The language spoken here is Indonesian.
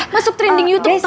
eh masuk trending youtube tau